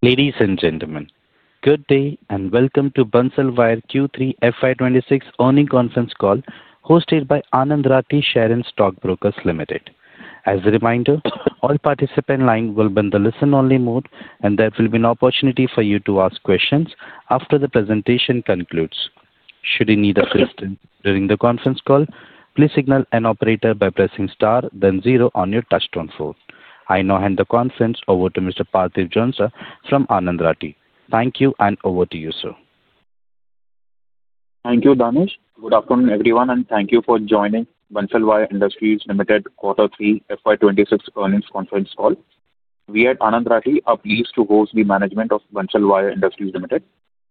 Ladies and gentlemen, good day and welcome to Bansal Wire Q3 FY 2026 earnings conference call hosted by Anand Rathi Share and Stock Brokers Limited. As a reminder, all participants' lines will be in the listen-only mode, and there will be no opportunity for you to ask questions after the presentation concludes. Should you need assistance during the conference call, please signal an operator by pressing star, then zero on your touch-tone phone. I now hand the conference over to Mr. Parthiv Jhonsa from Anand Rathi. Thank you, and over to you, sir. Thank you, Danish. Good afternoon, everyone, and thank you for joining Bansal Wire Industries Limited quarter three FY 2026 earnings conference call. We at Anand Rathi are pleased to host the management of Bansal Wire Industries Limited.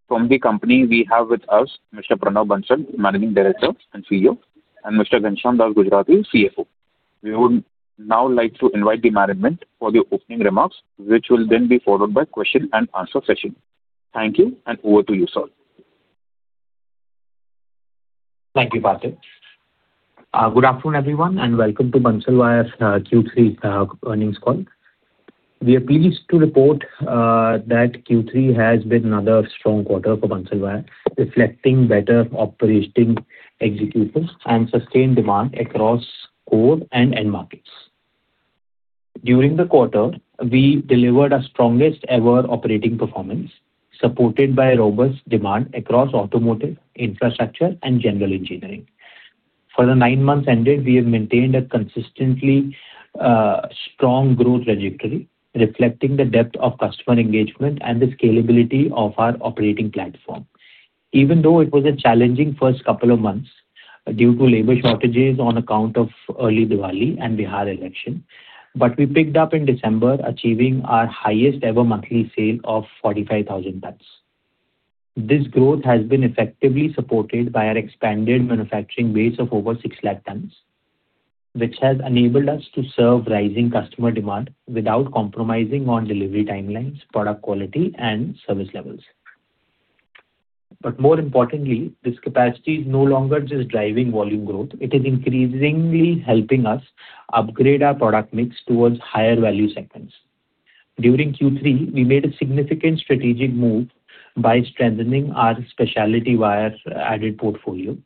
From the company, we have with us Mr. Pranav Bansal, Managing Director and CEO, and Mr. Ghanshyam Das Gujrati, CFO. We would now like to invite the management for the opening remarks, which will then be followed by a question-and-answer session. Thank you, and over to you, sir. Thank you, Parthiv. Good afternoon, everyone, and welcome to Bansal Wire's Q3 earnings call. We are pleased to report that Q3 has been another strong quarter for Bansal Wire, reflecting better operating efficiencies and sustained demand across core and end markets. During the quarter, we delivered our strongest-ever operating performance, supported by robust demand across automotive, infrastructure, and general engineering. For the nine months ended, we have maintained a consistently strong growth trajectory, reflecting the depth of customer engagement and the scalability of our operating platform. Even though it was a challenging first couple of months due to labor shortages on account of early Diwali and Bihar election, we picked up in December, achieving our highest-ever monthly sales of 45,000 tons. This growth has been effectively supported by our expanded manufacturing base of over 6 million tons, which has enabled us to serve rising customer demand without compromising on delivery timelines, product quality, and service levels. But more importantly, this capacity is no longer just driving volume growth. It is increasingly helping us upgrade our product mix towards higher-value segments. During Q3, we made a significant strategic move by strengthening our specialty wire added portfolio.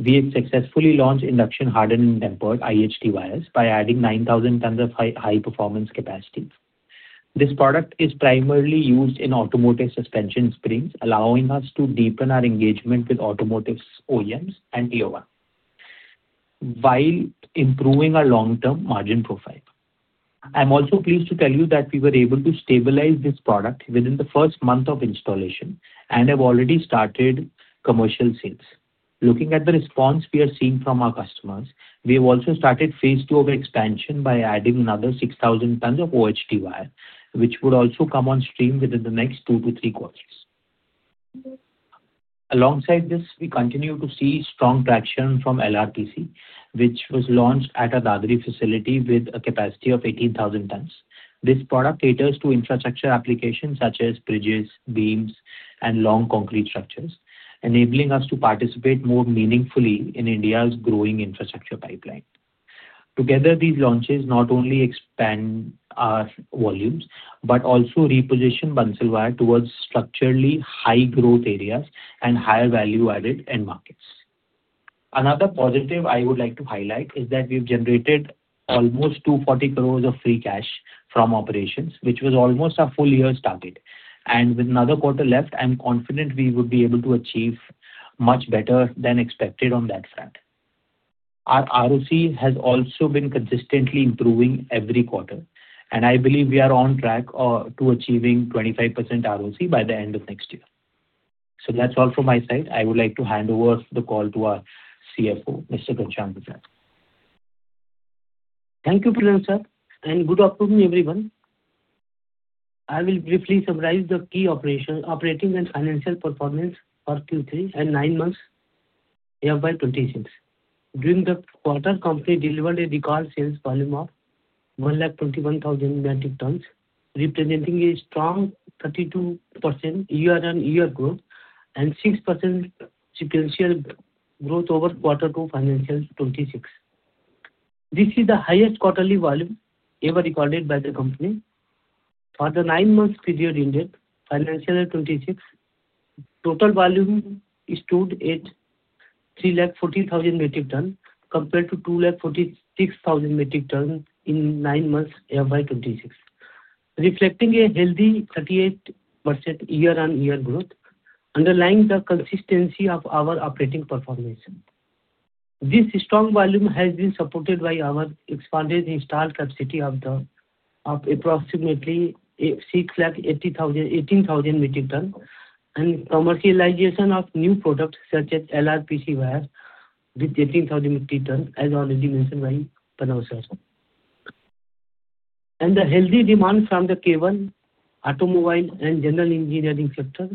We have successfully launched induction-hardened and tempered IHT wires by adding 9,000 tons of high-performance capacity. This product is primarily used in automotive suspension springs, allowing us to deepen our engagement with automotive OEMs and Tier 1, while improving our long-term margin profile. I'm also pleased to tell you that we were able to stabilize this product within the first month of installation and have already started commercial sales. Looking at the response we are seeing from our customers, we have also started Phase II of expansion by adding another 6,000 tons of OHT wire, which would also come on stream within the next two to three quarters. Alongside this, we continue to see strong traction from LRPC, which was launched at a Dadri facility with a capacity of 18,000 tons. This product caters to infrastructure applications such as bridges, beams, and long concrete structures, enabling us to participate more meaningfully in India's growing infrastructure pipeline. Together, these launches not only expand our volumes but also reposition Bansal Wire towards structurally high-growth areas and higher-value-added end markets. Another positive I would like to highlight is that we have generated almost 240 crores of free cash from operations, which was almost our full year's target. And with another quarter left, I'm confident we would be able to achieve much better than expected on that front. Our ROC has also been consistently improving every quarter, and I believe we are on track to achieving 25% ROC by the end of next year. So that's all from my side. I would like to hand over the call to our CFO, Mr. Ghanshyam Das Gujrati. Thank you, Pranav sir, and good afternoon, everyone. I will briefly summarize the key operating and financial performance for Q3 FY 2026 and nine months year-to-date FY 2026. During the quarter, the company delivered a record sales volume of 121,000 metric tons, representing a strong 32% year-on-year growth and 6% sequential growth over Q2 FY 2026. This is the highest quarterly volume ever recorded by the company. For the nine-month period ended FY 2026, total volume stood at 340,000 metric tons compared to 246,000 metric tons in nine months FY 2026, reflecting a healthy 38% year-on-year growth, underlying the consistency of our operating performance. This strong volume has been supported by our expanded installed capacity of approximately 18,000 metric tons and commercialization of new products such as LRPC wire with 18,000 metric tons, as already mentioned by Pranav Sir. And the healthy demand from the cable, automobile, and general engineering sector,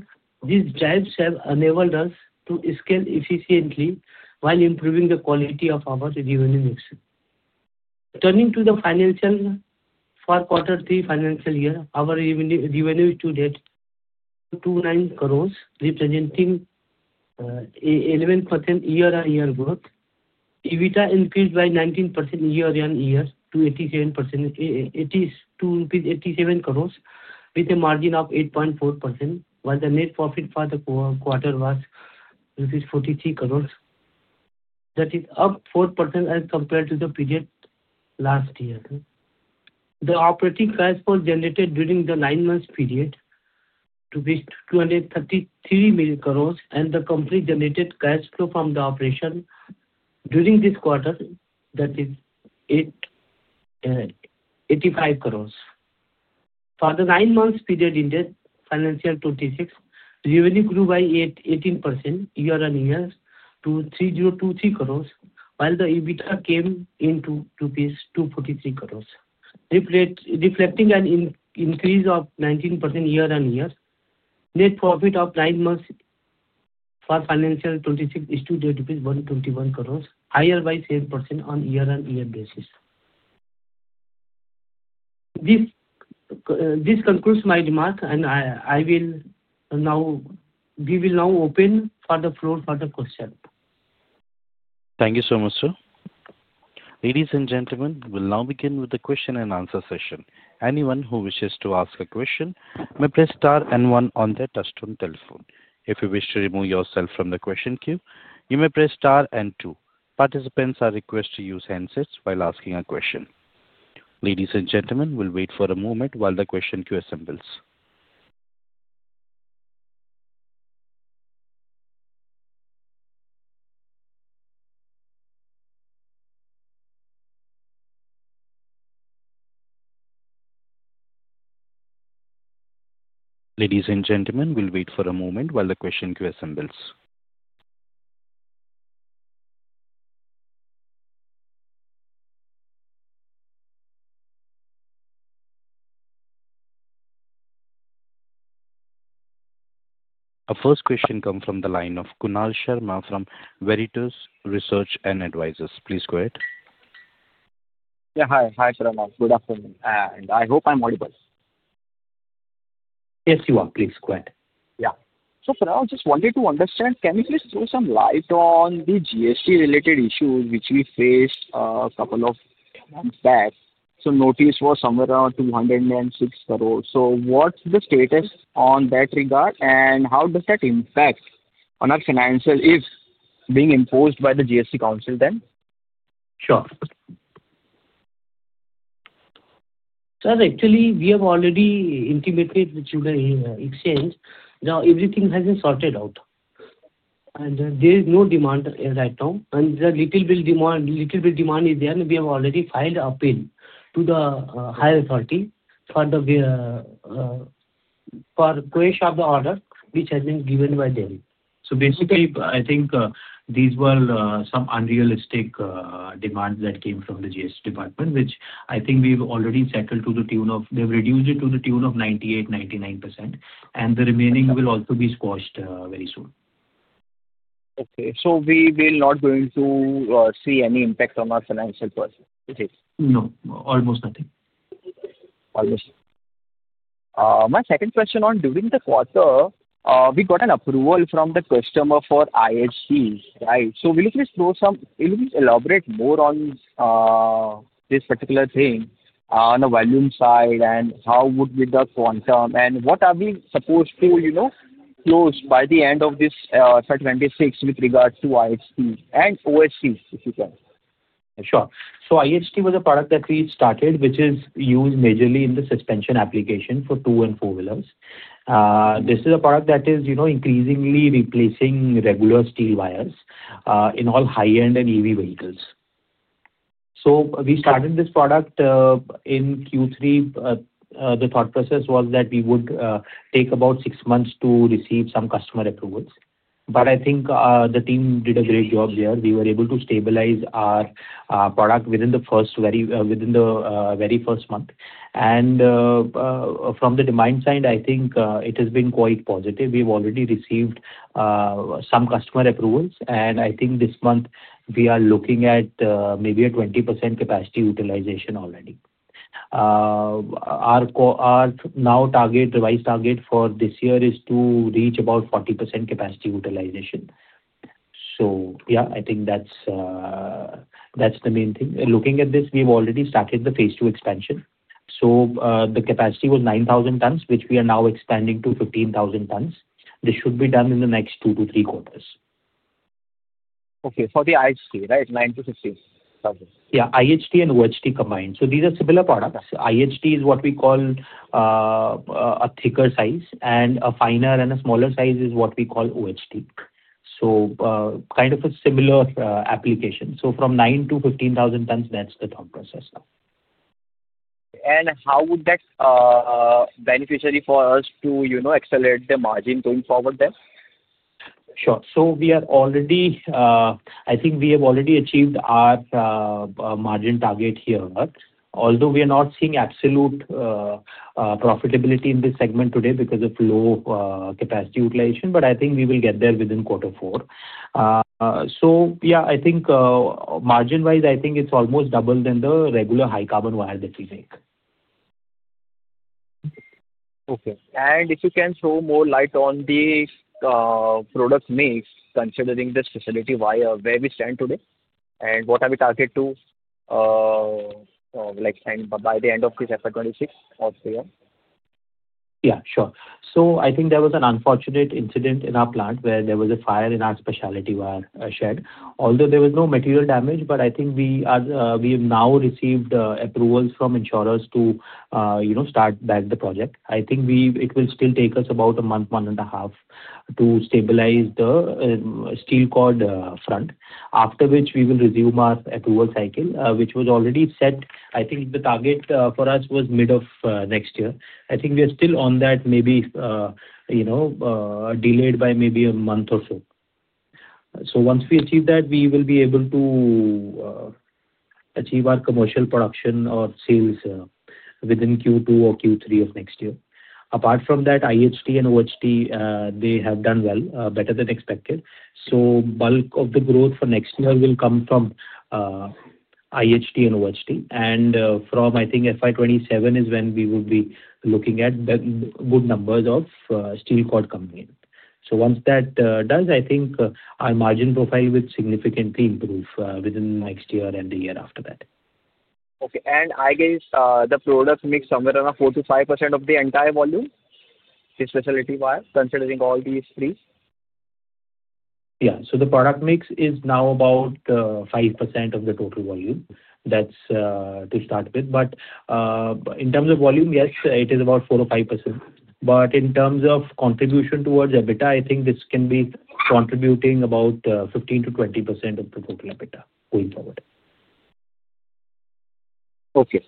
these drives have enabled us to scale efficiently while improving the quality of our revenue mix. Turning to the financials for quarter three FY 2026, our revenue stood at 29 crores, representing 11% year-on-year growth. EBITDA increased by 19% year-on-year to 82 crores rupees, with a margin of 8.4%, while the net profit for the quarter was rupees 43 crores, that is up 4% as compared to the period last year. The operating cash flow generated during the nine-month period reached 233 crores, and the company generated cash flow from the operation during this quarter, that is INR 85 crores. For the nine-month period ended financial 2026, revenue grew by 18% year-on-year to 3023 crores, while the EBITDA came into 243 crores, reflecting an increase of 19% year-on-year. Net profit of nine months for financial 2026 stood at 121 crores, higher by 7% on year-on-year basis. This concludes my remark, and we will now open the floor for the question. Thank you so much, sir. Ladies and gentlemen, we will now begin with the question-and-answer session. Anyone who wishes to ask a question may press star and one on their touch-tone telephone. If you wish to remove yourself from the question queue, you may press star and two. Participants are requested to use handsets while asking a question. Ladies and gentlemen, we'll wait for a moment while the question queue assembles. Our first question comes from the line of Kunal Sharma from Veritas Research and Advisors. Please go ahead. Yeah, hi. Hi, Pranav. Good afternoon, and I hope I'm audible. Yes, you are. Please go ahead. Yeah. So Pranav, just wanted to understand, can you please throw some light on the GST-related issues which we faced a couple of months back? So notice was somewhere around 206 crores. So what's the status on that regard, and how does that impact on our financial if being imposed by the GST Council then? Sure. So actually, we have already intimated with the exchange. Now everything has been sorted out, and there is no demand right now. And the little bit demand is there, and we have already filed an appeal to the higher authority for question of the order which has been given by them. So basically, I think these were some unrealistic demands that came from the GST department, which I think we've already settled to the tune of they've reduced it to the tune of 98%-99%, and the remaining will also be squashed very soon. Okay. So we will not going to see any impact on our financial, right? No. Almost nothing. Almost. My second question on during the quarter, we got an approval from the customer for IHT, right? So will you please elaborate more on this particular thing on the volume side and how would be the quantum and what are we supposed to close by the end of this 2026 with regards to IHT and OHT, if you can? Sure. So IHT was a product that we started, which is used majorly in the suspension application for two and four-wheelers. This is a product that is increasingly replacing regular steel wires in all high-end and EV vehicles. So we started this product in Q3. The thought process was that we would take about six months to receive some customer approvals. But I think the team did a great job there. We were able to stabilize our product within the very first month. And from the demand side, I think it has been quite positive. We have already received some customer approvals, and I think this month we are looking at maybe a 20% capacity utilization already. Our revised target for this year is to reach about 40% capacity utilization. So yeah, I think that's the main thing. Looking at this, we have already started the Phase II expansion. The capacity was 9,000 tons, which we are now expanding to 15,000 tons. This should be done in the next two to three quarters. Okay. For the IHT, right, 9,000 tons-15,000 tons? Yeah. IHT and OHT combined. So these are similar products. IHT is what we call a thicker size, and a finer and a smaller size is what we call OHT. So kind of a similar application. So from 9,000 tons-15,000 tons, that's the thought process now. How would that be beneficial for us to accelerate the margin going forward then? Sure. So we are already I think we have already achieved our margin target here. Although we are not seeing absolute profitability in this segment today because of low capacity utilization, but I think we will get there within quarter four. So yeah, I think margin-wise, I think it's almost double than the regular high-carbon wire that we make. Okay, and if you can throw more light on the product mix, considering the specialty wire where we stand today, and what are we target to by the end of this FY 2026 or beyond? Yeah. Sure. So I think there was an unfortunate incident in our plant where there was a fire in our specialty wire shed. Although there was no material damage, but I think we have now received approvals from insurers to start back the project. I think it will still take us about a month, month and a half to stabilize the steel cord front, after which we will resume our approval cycle, which was already set. I think the target for us was mid of next year. I think we are still on that, maybe delayed by maybe a month or so. So once we achieve that, we will be able to achieve our commercial production or sales within Q2 or Q3 of next year. Apart from that, IHT and OHT, they have done well, better than expected. So bulk of the growth for next year will come from IHT and OHT. And from, I think, FY 2027 is when we would be looking at good numbers of steel cord coming in. So once that does, I think our margin profile would significantly improve within next year and the year after that. Okay. And I guess the product mix somewhere around 4%-5% of the entire volume, the specialty wire, considering all these three? Yeah. So the product mix is now about 5% of the total volume, that's to start with. But in terms of volume, yes, it is about 4% or 5%. But in terms of contribution towards EBITDA, I think this can be contributing about 15%-20% of the total EBITDA going forward. Okay.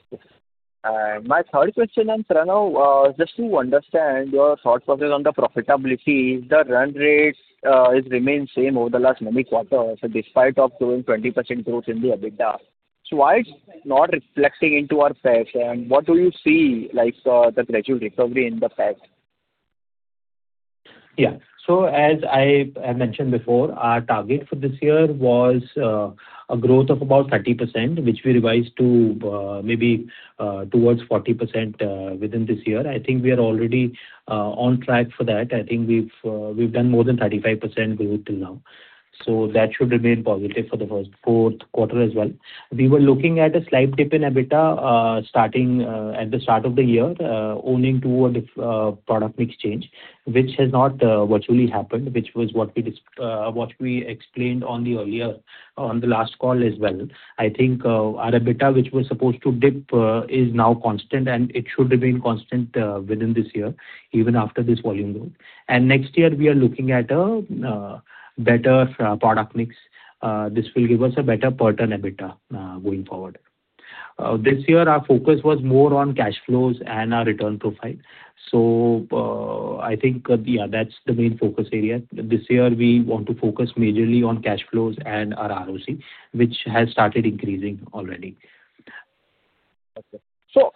My third question, and Pranav, just to understand your thought process on the profitability, the run rate has remained the same over the last many quarters, despite of growing 20% growth in the EBITDA. So why it's not reflecting into our PAT, and what do you see the gradual recovery in the PAT? Yeah. So as I mentioned before, our target for this year was a growth of about 30%, which we revised to maybe towards 40% within this year. I think we are already on track for that. I think we've done more than 35% growth till now. So that should remain positive for the first quarter as well. We were looking at a slight dip in EBITDA at the start of the year, owing to a product mix change, which has virtually not happened, which was what we explained on the last call as well. I think our EBITDA, which was supposed to dip, is now constant, and it should remain constant within this year, even after this volume growth. And next year, we are looking at a better product mix. This will give us a better per ton EBITDA going forward. This year, our focus was more on cash flows and our return profile. So I think, yeah, that's the main focus area. This year, we want to focus majorly on cash flows and our ROC, which has started increasing already. So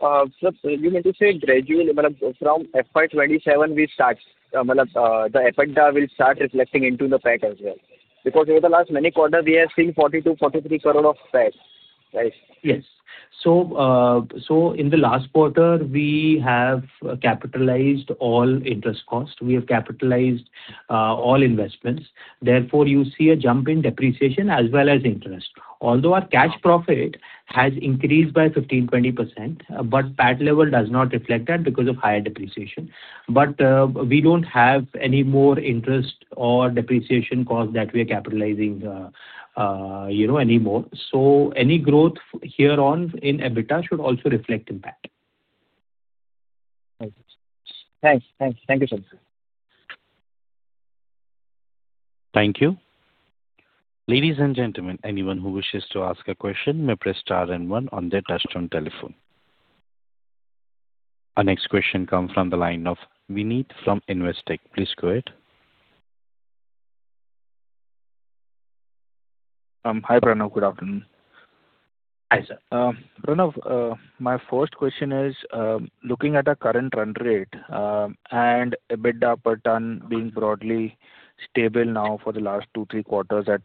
you mean to say gradually from FY 2027, we start the EBITDA will start reflecting into the PAT as well? Because over the last many quarters, we have seen 42 crore-43 crore of PAT, right? Yes. So in the last quarter, we have capitalized all interest cost. We have capitalized all investments. Therefore, you see a jump in depreciation as well as interest. Although our cash profit has increased by 15%-20%, but PAT level does not reflect that because of higher depreciation. But we don't have any more interest or depreciation cost that we are capitalizing anymore. So any growth here on in EBITDA should also reflect impact. Thanks. Thanks. Thank you, sir. Thank you. Ladies and gentlemen, anyone who wishes to ask a question, may press star and one on their touch-tone telephone. Our next question comes from the line of Vinit from Investec. Please go ahead. Hi, Pranav. Good afternoon. Hi, sir. Pranav, my first question is, looking at a current run rate and EBITDA per ton being broadly stable now for the last two, three quarters at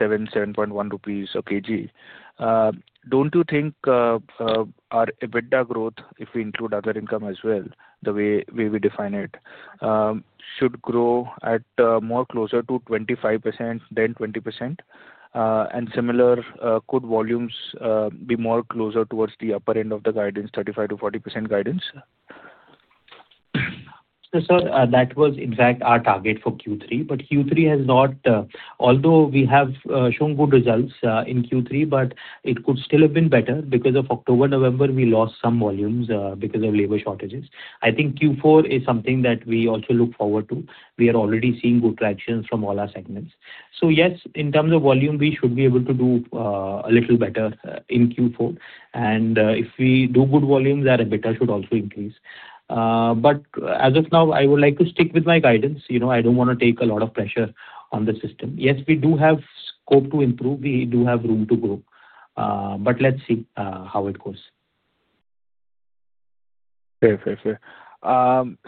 7-7.1 rupees/kg, don't you think our EBITDA growth, if we include other income as well, the way we define it, should grow at more closer to 25% than 20%? And similar could volumes be more closer towards the upper end of the guidance, 35%-40% guidance? Sir, that was, in fact, our target for Q3. But Q3 has not, although we have shown good results in Q3, but it could still have been better because of October, November, we lost some volumes because of labor shortages. I think Q4 is something that we also look forward to. We are already seeing good traction from all our segments. So yes, in terms of volume, we should be able to do a little better in Q4. And if we do good volumes, our EBITDA should also increase. But as of now, I would like to stick with my guidance. I don't want to take a lot of pressure on the system. Yes, we do have scope to improve. We do have room to grow. But let's see how it goes. Fair.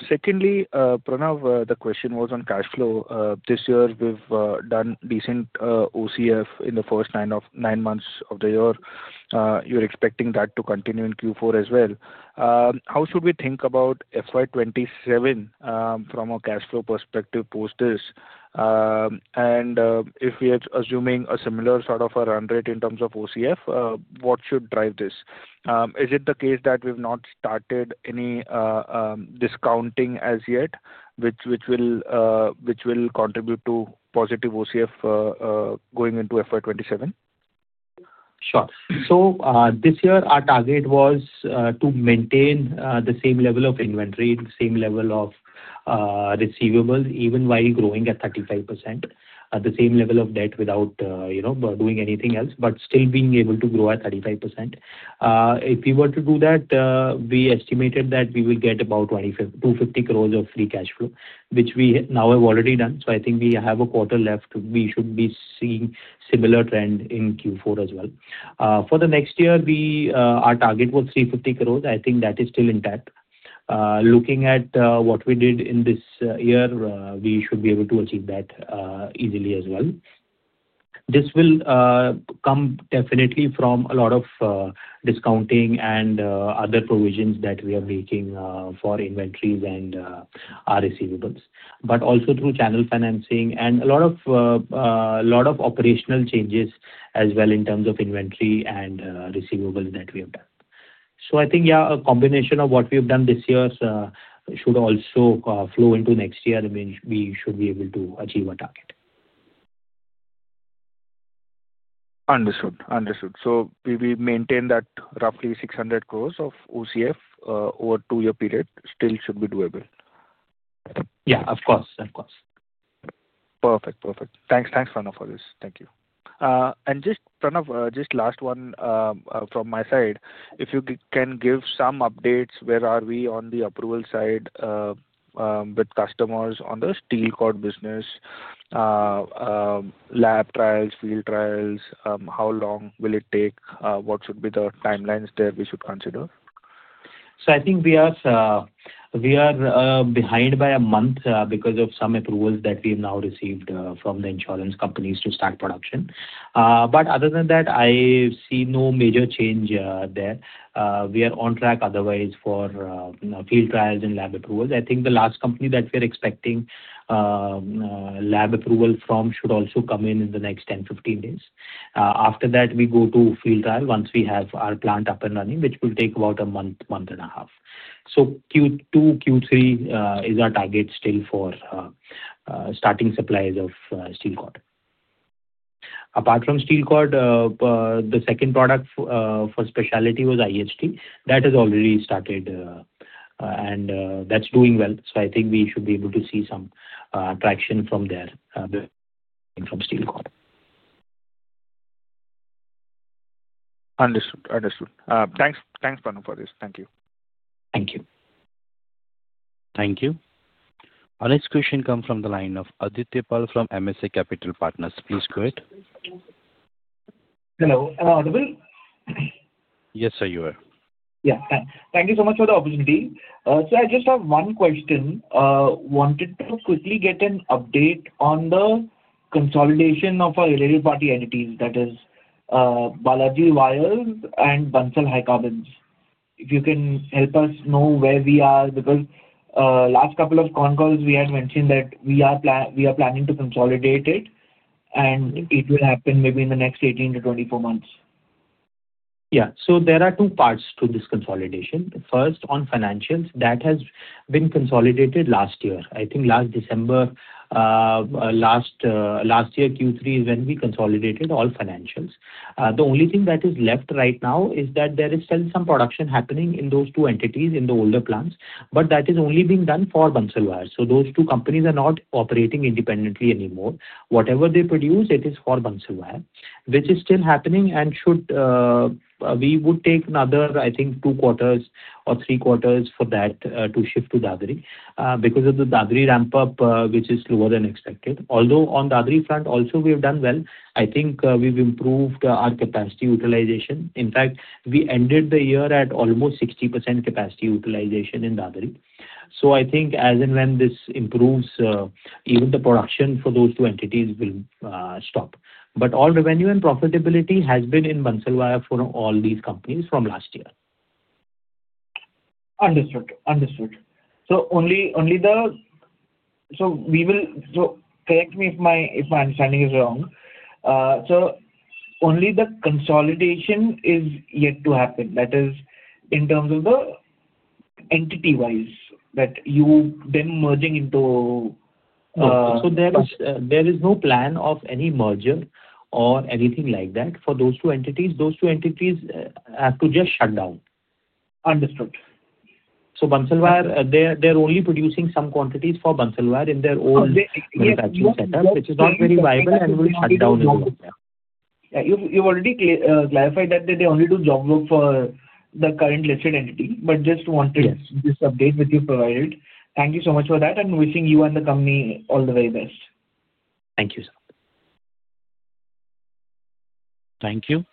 Secondly, Pranav, the question was on cash flow. This year, we've done decent OCF in the first nine months of the year. You're expecting that to continue in Q4 as well. How should we think about FY 2027 from a cash flow perspective post this? And if we are assuming a similar sort of a run rate in terms of OCF, what should drive this? Is it the case that we've not started any discounting as yet, which will contribute to positive OCF going into FY 2027? Sure. So this year, our target was to maintain the same level of inventory, the same level of receivables, even while growing at 35%, the same level of debt without doing anything else, but still being able to grow at 35%. If we were to do that, we estimated that we will get about 250 crores of free cash flow, which we now have already done. So I think we have a quarter left. We should be seeing similar trend in Q4 as well. For the next year, our target was 350 crores. I think that is still intact. Looking at what we did in this year, we should be able to achieve that easily as well. This will come definitely from a lot of discounting and other provisions that we are making for inventories and our receivables, but also through channel financing and a lot of operational changes as well in terms of inventory and receivables that we have done. So I think, yeah, a combination of what we have done this year should also flow into next year. I mean, we should be able to achieve our target. Understood. Understood. So we maintain that roughly 600 crores of OCF over a two-year period still should be doable. Yeah. Of course. Of course. Perfect. Thanks, Pranav, for this. Thank you. And just, Pranav, just last one from my side, if you can give some updates, where are we on the approval side with customers on the steel cord business, lab trials, field trials? How long will it take? What should be the timelines there we should consider? So I think we are behind by a month because of some approvals that we have now received from the insurance companies to start production. But other than that, I see no major change there. We are on track otherwise for field trials and lab approvals. I think the last company that we are expecting lab approval from should also come in in the next 10-15 days. After that, we go to field trial once we have our plant up and running, which will take about a month, month and a half. So Q2, Q3 is our target still for starting supplies of steel cord. Apart from steel cord, the second product for specialty was IHT. That has already started, and that's doing well. So I think we should be able to see some traction from there from steel cord. Understood. Understood. Thanks. Thanks, Pranav, for this. Thank you. Thank you. Thank you. Our next question comes from the line of Adityapal from MSA Capital Partners. Please go ahead. Hello. Are you available? Yes, sir, you are. Yeah. Thank you so much for the opportunity. So I just have one question. Wanted to quickly get an update on the consolidation of our related party entities, that is Balaji Wires and Bansal High Carbons. If you can help us know where we are because last couple of con calls, we had mentioned that we are planning to consolidate it, and it will happen maybe in the next 18-24 months. Yeah. So there are two parts to this consolidation. First, on financials, that has been consolidated last year. I think last December, last year, Q3 is when we consolidated all financials. The only thing that is left right now is that there is still some production happening in those two entities in the older plants, but that is only being done for Bansal Wires. So those two companies are not operating independently anymore. Whatever they produce, it is for Bansal Wire, which is still happening and should we would take another, I think, two quarters or three quarters for that to shift to Dadri because of the Dadri ramp-up, which is slower than expected. Although on Dadri front, also, we have done well. I think we've improved our capacity utilization. In fact, we ended the year at almost 60% capacity utilization in Dadri. So I think as and when this improves, even the production for those two entities will stop. But all revenue and profitability has been in Bansal Wire for all these companies from last year. Understood. Correct me if my understanding is wrong. Only the consolidation is yet to happen, that is, in terms of the entity-wise, that you them merging into. There is no plan of any merger or anything like that for those two entities. Those two entities have to just shut down. Understood. Bansal Wire, they're only producing some quantities for Bansal Wire in their own manufacturing setup, which is not very viable and will shut down in a month. Yeah. You've already clarified that they only do job work for the current listed entity, but just wanted this update which you provided. Thank you so much for that and wishing you and the company all the very best. Thank you, sir. Thank you.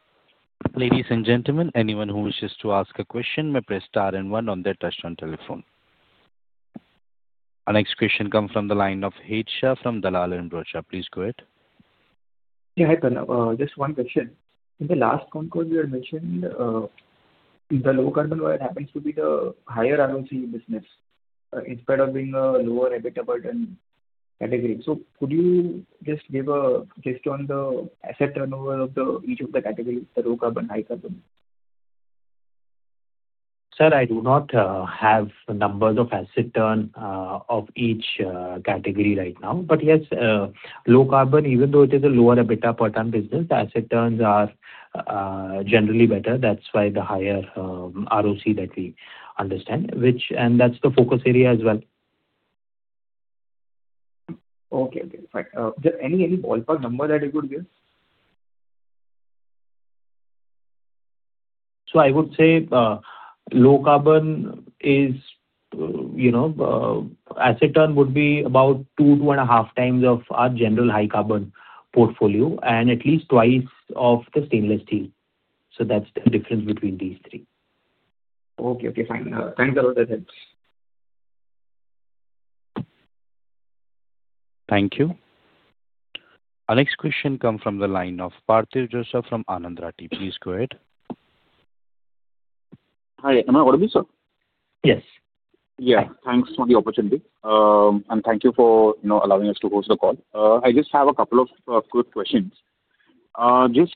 Ladies and gentlemen, anyone who wishes to ask a question, may press star and one on their touch-tone telephone. Our next question comes from the line of Hesha from Dalal & Broacha. Please go ahead. Yeah. Hi, Pranav. Just one question. In the last con call, you had mentioned the low carbon wire happens to be the higher ROC business instead of being a lower EBITDA burden category. So could you just give a gist on the asset turnover of each of the categories, the low carbon, high carbon? Sir, I do not have numbers of asset turn of each category right now. But yes, low carbon, even though it is a lower EBITDA per ton business, asset turns are generally better. That's why the higher ROC that we understand, which and that's the focus area as well. Okay. Okay. Fine. Any ballpark number that you could give? So I would say low carbon is asset turn would be about 2x-2.5x of our general high carbon portfolio and at least twice of the stainless steel. So that's the difference between these three. Okay. Okay. Fine. Thanks a lot, Pranav. Thank you. Our next question comes from the line of Parthiv Jhonsa from Anand Rathi. Please go ahead. Hi, Am I audible, sir? Yes. Yeah. Thanks for the opportunity. And thank you for allowing us to host the call. I just have a couple of quick questions. Just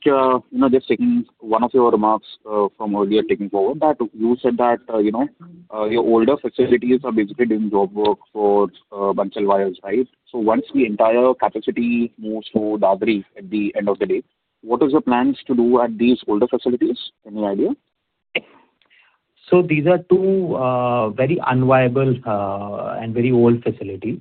taking one of your remarks from earlier, taking forward that you said that your older facilities are basically doing job work for Bansal Wires, right? So once the entire capacity moves to Dadri at the end of the day, what are the plans to do at these older facilities? Any idea? So these are two very unviable and very old facilities.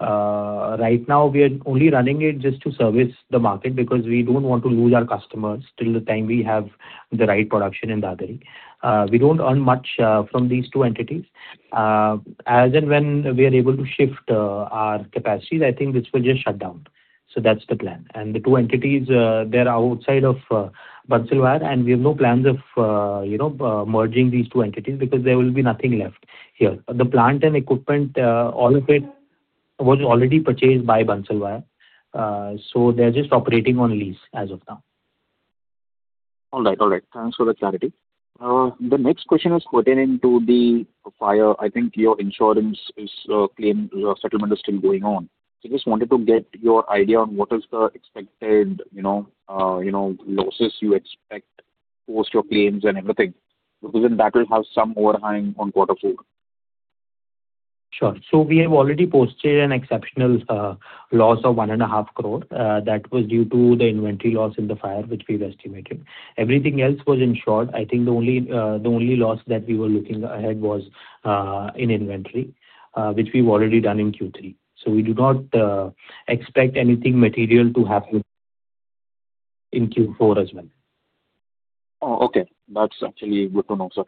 Right now, we are only running it just to service the market because we don't want to lose our customers till the time we have the right production in Dadri. We don't earn much from these two entities. As and when we are able to shift our capacities, I think this will just shut down. So that's the plan. And the two entities, they're outside of Bansal Wire, and we have no plans of merging these two entities because there will be nothing left here. The plant and equipment, all of it was already purchased by Bansal Wire. So they're just operating on lease as of now. All right. All right. Thanks for the clarity. The next question is pertaining to the fire. I think your insurance claim settlement is still going on. I just wanted to get your idea on what is the expected losses you expect post your claims and everything because then that will have some overhang on quarter four. Sure. So we have already posted an exceptional loss of 1.5 crore that was due to the inventory loss in the fire, which we've estimated. Everything else was insured. I think the only loss that we were looking ahead was in inventory, which we've already done in Q3. So we do not expect anything material to happen in Q4 as well. Oh, okay. That's actually good to know, sir.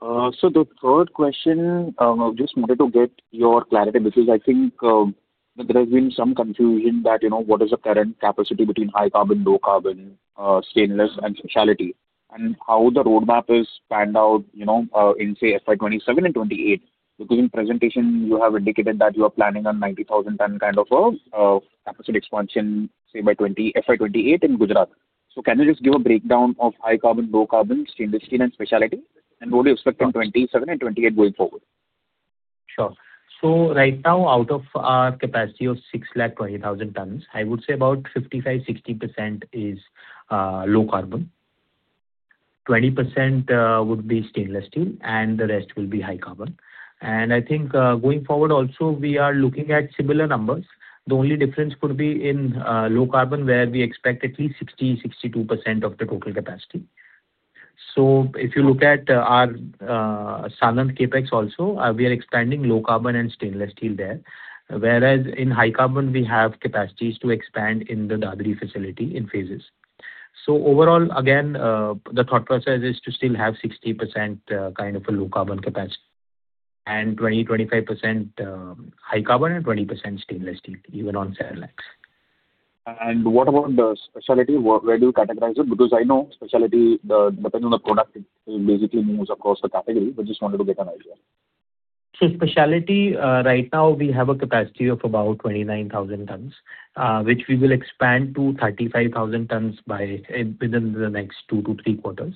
So the third question, I just wanted to get your clarity because I think there has been some confusion that what is the current capacity between high carbon, low carbon, stainless, and specialty, and how the roadmap is planned out in, say, FY 2027 and 2028 because in presentation, you have indicated that you are planning on 90,000 ton kind of a capacity expansion, say, by FY 2028 in Gujarat. So can you just give a breakdown of high carbon, low carbon, stainless steel, and specialty, and what do you expect in 2027 and 2028 going forward? Sure. So right now, out of our capacity of 620,000 tons, I would say about 55%-60% is low carbon. 20% would be stainless steel, and the rest will be high carbon. And I think going forward, also, we are looking at similar numbers. The only difference could be in low carbon, where we expect at least 60%-62% of the total capacity. So if you look at our Sanand CapEx also, we are expanding low carbon and stainless steel there, whereas in high carbon, we have capacities to expand in the Dadri facility in phases. So overall, again, the thought process is to still have 60% kind of a low carbon capacity and 20%-25% high carbon and 20% stainless steel, even overall. And what about the specialty? Where do you categorize it? Because I know specialty depends on the product. It basically moves across the category. We just wanted to get an idea. So specialty, right now, we have a capacity of about 29,000 tons, which we will expand to 35,000 tons within the next two to three quarters.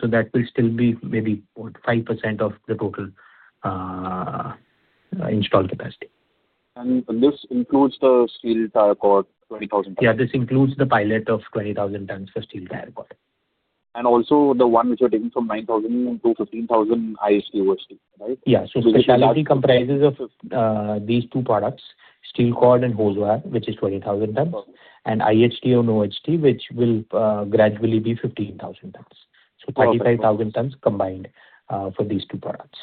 So that will still be maybe 5% of the total installed capacity. And this includes the Steel Tire Cord 20,000 tons? Yeah. This includes the pilot of 20,000 tons for Steel Tire Cord. And also the one which you're taking from 9,000 to 15,000 IHT, right? Yeah. So specialty comprises of these two products, steel cord and hose wire, which is 20,000 tons, and IHT or OHT, which will gradually be 15,000 tons. So 35,000 tons combined for these two products.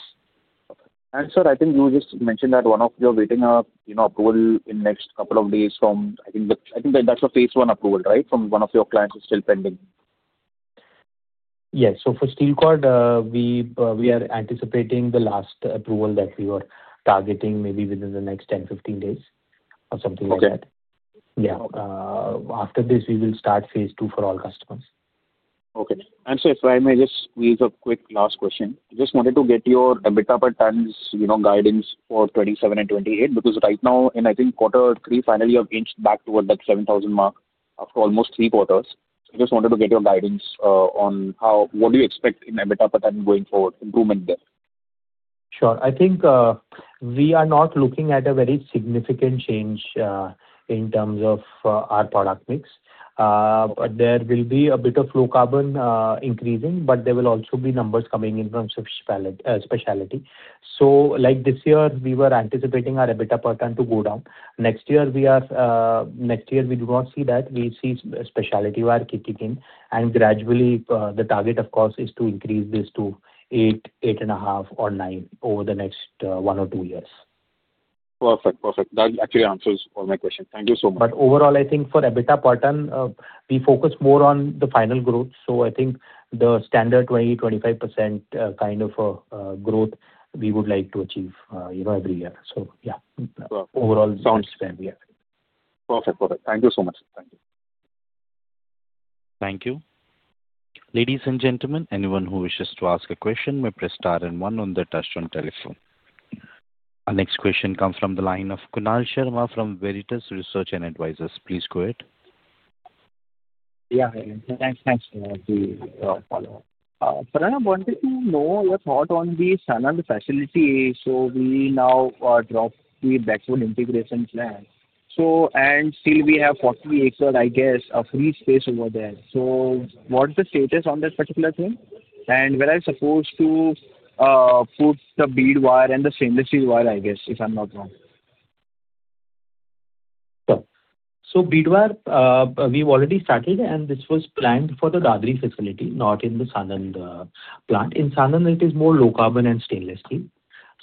Sir, I think you just mentioned that one of you are waiting approval in the next couple of days from. I think that's a phase one approval, right, from one of your clients is still pending. Yes. So for steel cord, we are anticipating the last approval that we were targeting maybe within the next 10-15 days or something like that. Yeah. After this, we will start Phase II for all customers. Okay. And sir, if I may just use a quick last question, I just wanted to get your EBITDA per tons guidance for 2027 and 2028 because right now, in, I think, quarter three, finally, you have inched back toward that 7,000 mark after almost three quarters. I just wanted to get your guidance on what do you expect in EBITDA per tons going forward, improvement there? Sure. I think we are not looking at a very significant change in terms of our product mix. There will be a bit of low carbon increasing, but there will also be numbers coming in from specialty. So like this year, we were anticipating our EBITDA per tons to go down. Next year, we do not see that. We see specialty wire kicking in. And gradually, the target, of course, is to increase this to 8, 8.5 or 9 over the next one or two years. Perfect. Perfect. That actually answers all my questions. Thank you so much. But overall, I think for EBITDA per tons, we focus more on the final growth. So I think the standard 20%-25% kind of growth we would like to achieve every year. So yeah, overall, this is where we are. Perfect. Perfect. Thank you so much. Thank you. Thank you. Ladies and gentlemen, anyone who wishes to ask a question, may press star and one on their touch-tone telephone. Our next question comes from the line of Kunal Sharma from Veritas Research and Advisors. Please go ahead. Yeah. Thanks. Thanks for the follow-up. Pranav, wanted to know your thought on the Sanand facility. So we now drop the backward integration plan. And still, we have 40 acres, I guess, of free space over there. So what is the status on that particular thing? And where are you supposed to put the bead wire and the stainless steel wire, I guess, if I'm not wrong? So bead wire, we've already started, and this was planned for the Dadri facility, not in the Sanand plant. In Sanand, it is more low carbon and stainless steel.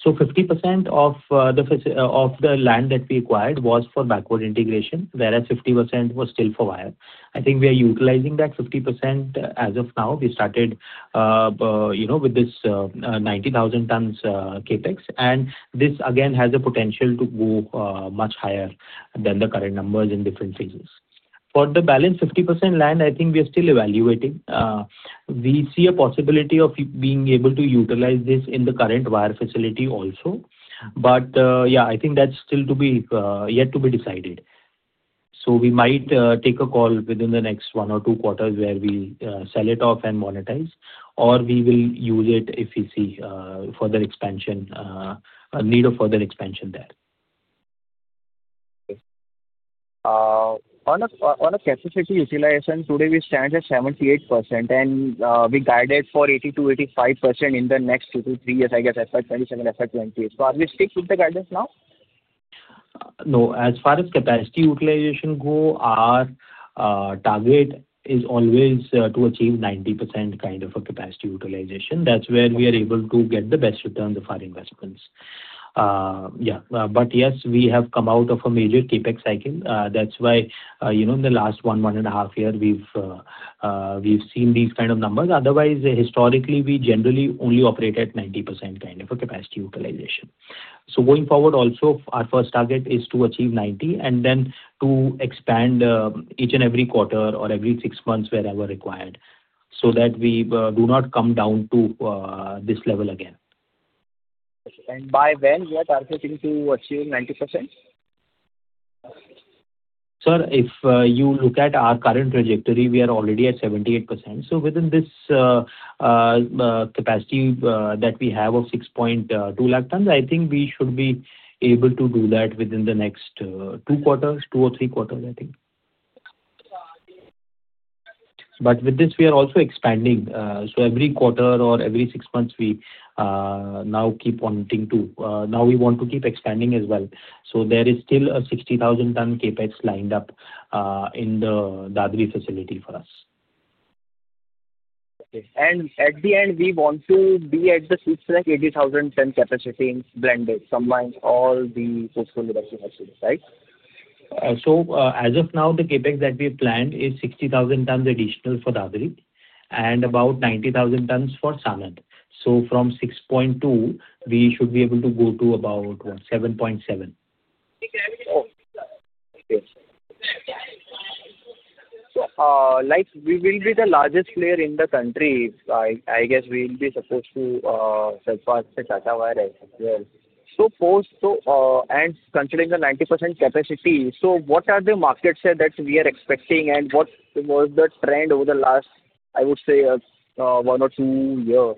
So 50% of the land that we acquired was for backward integration, whereas 50% was still for wire. I think we are utilizing that 50% as of now. We started with this 90,000 tons CapEx. And this, again, has a potential to go much higher than the current numbers in different phases. For the balance 50% land, I think we are still evaluating. We see a possibility of being able to utilize this in the current wire facility also. But yeah, I think that's still yet to be decided. So we might take a call within the next one or two quarters where we sell it off and monetize, or we will use it if we see further expansion, need of further expansion there. Okay. On a capacity utilization, today we stand at 78%, and we guided for 80%-85% in the next two to three years, I guess, FY 2027, FY 2028. So are we stick with the guidance now? No. As far as capacity utilization goes, our target is always to achieve 90% kind of a capacity utilization. That's where we are able to get the best returns of our investments. Yeah. But yes, we have come out of a major CapEx cycle. That's why in the last one and a half years, we've seen these kind of numbers. Otherwise, historically, we generally only operate at 90% kind of a capacity utilization. So going forward, also, our first target is to achieve 90 and then to expand each and every quarter or every six months wherever required so that we do not come down to this level again. By when we are targeting to achieve 90%? Sir, if you look at our current trajectory, we are already at 78%. So within this capacity that we have of 6.2 lakh tons, I think we should be able to do that within the next two quarters, two or three quarters, I think. But with this, we are also expanding. So every quarter or every six months, we now want to keep expanding as well. So there is still a 60,000-ton CapEx lined up in the Dadri facility for us. Okay. And at the end, we want to be at the 680,000 ton capacity blended, combine all the post-consolidation activities, right? So as of now, the CapEx that we planned is 60,000 tons additional for Dadri and about 90,000 tons for Sanand. So from 6.2, we should be able to go to about, what, 7.7. So we will be the largest player in the country. I guess we will be supposed to surpass the Tata Wire as well. So considering the 90% capacity, so what are the market share that we are expecting, and what was the trend over the last, I would say, one or two years,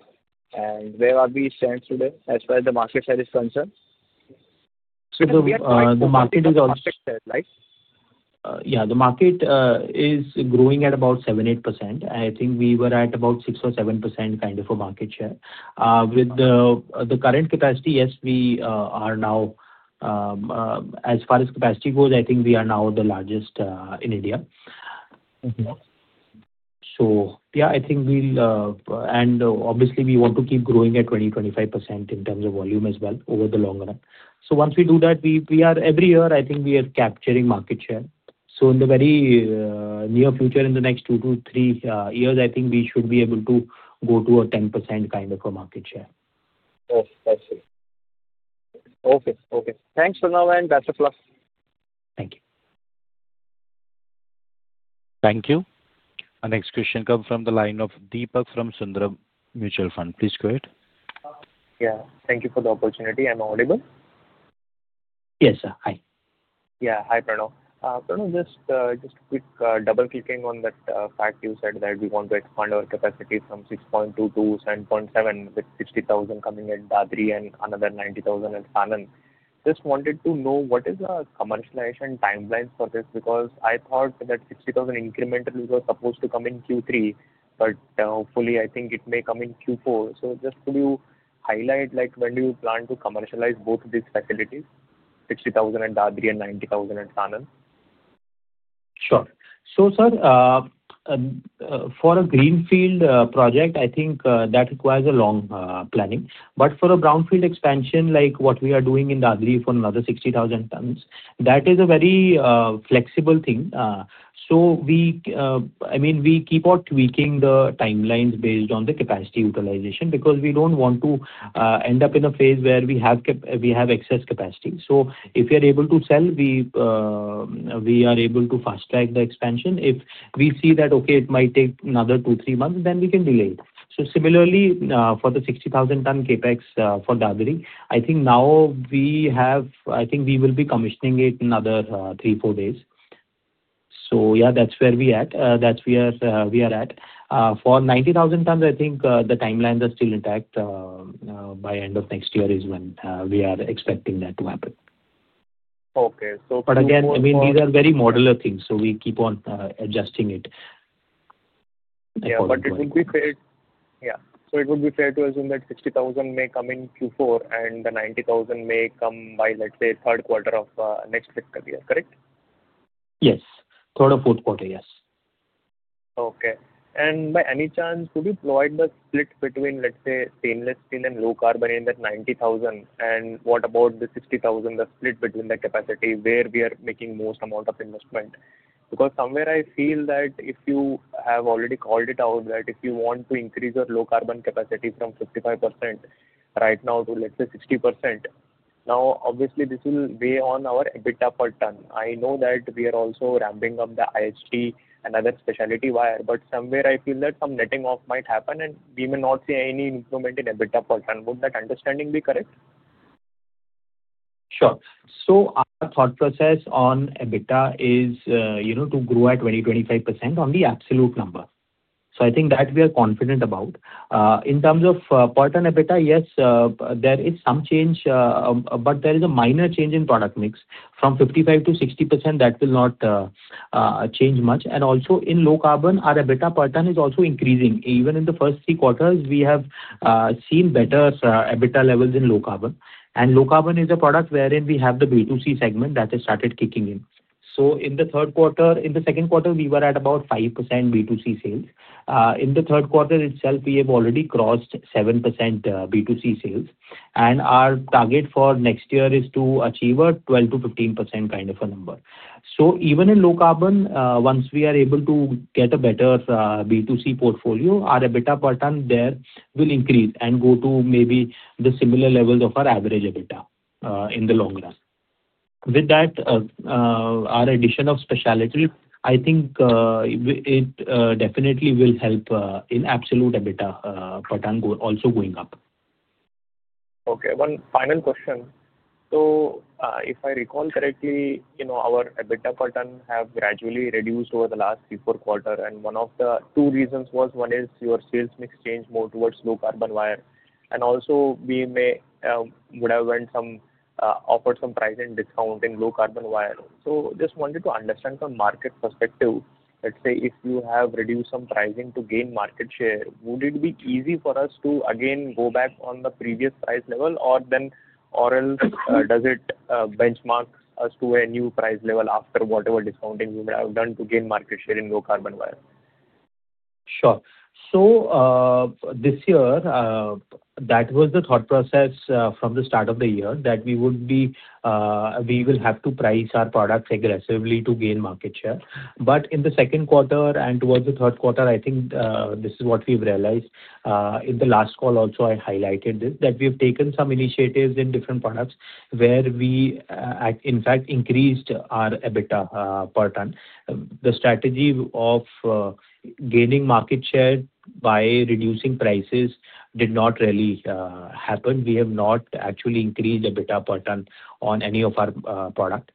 and where are we standing today as far as the market share is concerned? The market is growing at about 7%-8%. I think we were at about 6%-7% kind of a market share. With the current capacity, yes, we are now, as far as capacity goes, I think we are now the largest in India. Yeah, I think we'll, and obviously, we want to keep growing at 20%-25% in terms of volume as well over the long run. Once we do that, we are every year, I think we are capturing market share. In the very near future, in the next two to three years, I think we should be able to go to a 10% kind of a market share. Yes. I see. Okay. Okay. Thanks, Pranav, and best of luck. Thank you. Thank you. And next question comes from the line of Deepak from Sundaram Mutual Fund. Please go ahead. Yeah. Thank you for the opportunity. I'm audible? Yes, sir. Hi. Yeah. Hi, Pranav. Pranav, just quick double-clicking on that fact you said that we want to expand our capacity from 6.2 to 7.7 with 60,000 coming at Dadri and another 90,000 at Sanand. Just wanted to know what is the commercialization timeline for this because I thought that 60,000 incrementally was supposed to come in Q3, but hopefully, I think it may come in Q4. So just could you highlight when do you plan to commercialize both these facilities, 60,000 at Dadri and 90,000 at Sanand? Sure. So sir, for a greenfield project, I think that requires a long planning. But for a brownfield expansion like what we are doing in Dadri for another 60,000 tons, that is a very flexible thing. So I mean, we keep on tweaking the timelines based on the capacity utilization because we don't want to end up in a phase where we have excess capacity. So if we are able to sell, we are able to fast-track the expansion. If we see that, okay, it might take another two, three months, then we can delay it. So similarly, for the 60,000-ton CapEx for Dadri, I think now we have—I think we will be commissioning it in another three, four days. So yeah, that's where we are at. For 90,000 tons, I think the timelines are still intact. By end of next year is when we are expecting that to happen. Okay. So for the. But again, I mean, these are very modular things, so we keep on adjusting it. It would be fair to assume that 60,000 may come in Q4 and the 90,000 may come by, let's say, third quarter of next fiscal year, correct? Yes. Third or fourth quarter, yes. Okay. And by any chance, could you provide the split between, let's say, stainless steel and low carbon in that 90,000? And what about the 60,000, the split between the capacity where we are making most amount of investment? Because somewhere I feel that if you have already called it out that if you want to increase your low carbon capacity from 55% right now to, let's say, 60%, now, obviously, this will weigh on our EBITDA per ton. I know that we are also ramping up the IHT and other specialty wire, but somewhere I feel that some netting off might happen, and we may not see any improvement in EBITDA per ton. Would that understanding be correct? Sure, so our thought process on EBITDA is to grow at 20%-25% on the absolute number. So I think that we are confident about. In terms of per tonne EBITDA, yes, there is some change, but there is a minor change in product mix. From 55%-60%, that will not change much. And also, in low carbon, our EBITDA per tonne is also increasing. Even in the first three quarters, we have seen better EBITDA levels in low carbon. And low carbon is a product wherein we have the B2C segment that has started kicking in. So in the third quarter, in the second quarter, we were at about 5% B2C sales. In the third quarter itself, we have already crossed 7% B2C sales. And our target for next year is to achieve a 12%-15% kind of a number. So even in low carbon, once we are able to get a better B2C portfolio, our EBITDA per tonne there will increase and go to maybe the similar levels of our average EBITDA in the long run. With that, our addition of specialty, I think it definitely will help in absolute EBITDA per tonne also going up. Okay. One final question. So if I recall correctly, our EBITDA per ton have gradually reduced over the last three or four quarters. And one of the two reasons was one is your sales mix changed more towards low carbon wire. And also, we may have offered some pricing discount in low carbon wire. So just wanted to understand from market perspective, let's say, if you have reduced some pricing to gain market share, would it be easy for us to again go back on the previous price level, or then or else does it benchmark us to a new price level after whatever discounting we may have done to gain market share in low carbon wire? Sure. So this year, that was the thought process from the start of the year that we will have to price our products aggressively to gain market share. But in the second quarter and towards the third quarter, I think this is what we've realized. In the last call also, I highlighted this that we have taken some initiatives in different products where we, in fact, increased our EBITDA per tonne. The strategy of gaining market share by reducing prices did not really happen. We have not actually increased EBITDA per tonne on any of our product.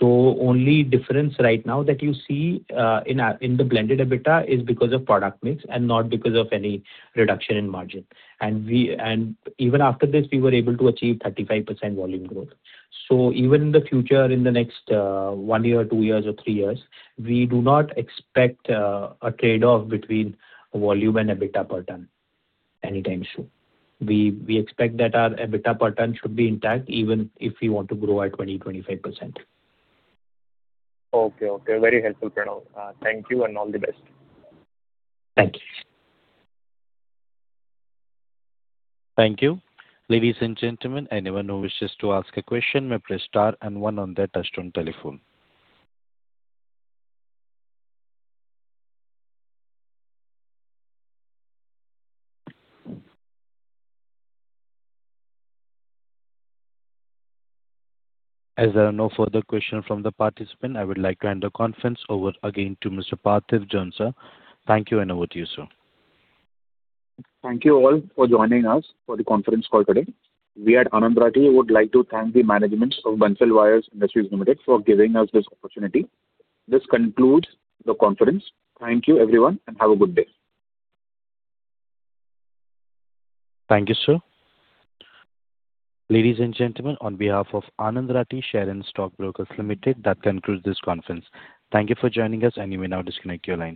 So only difference right now that you see in the blended EBITDA is because of product mix and not because of any reduction in margin. And even after this, we were able to achieve 35% volume growth. So even in the future, in the next one year, two years, or three years, we do not expect a trade-off between volume and EBITDA per tonne anytime soon. We expect that our EBITDA per tonne should be intact even if we want to grow at 20%-25%. Okay. Okay. Very helpful, Pranav. Thank you and all the best. Thank you. Thank you. Ladies and gentlemen, anyone who wishes to ask a question may press star and one on that as shown on telephone. As there are no further questions from the participants, I would like to hand the conference over again to Mr. Parthiv Jhonsa. Thank you, and over to you, sir. Thank you all for joining us for the conference call today. We at Anand Rathi would like to thank the management of Bansal Wire Industries Limited for giving us this opportunity. This concludes the conference. Thank you, everyone, and have a good day. Thank you, sir. Ladies and gentlemen, on behalf of Anand Rathi Share and Stock Brokers Limited, that concludes this conference. Thank you for joining us, and you may now disconnect your line.